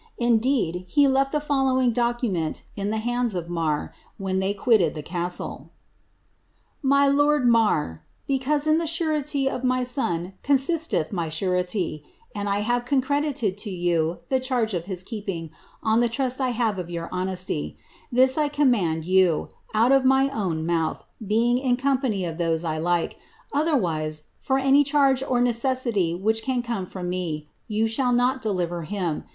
Indeed, he left the following document in the bands of Marr when they quitted the castle :— ''My lord Marr, Because in the surety of my son consisteth my surety, and I have eonenditid to yaw the charge of his keeping on the trust I have of your honesty; this I com mand yow, out 0/ my oum mouth, being in company of thote I Uke^ otherwise, for any charge or necessity which can come from me yow shall not deliver him.